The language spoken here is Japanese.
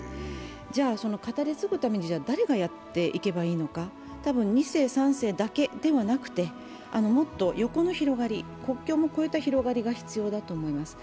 じゃあ語り継ぐために誰がやっていけばいいのか多分２世、３世だけではなくてもっと横の広がり、国境も越えた広がりが必要だと思います。